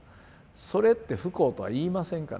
それって不幸とは言いませんから。